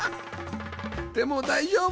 でも大丈夫！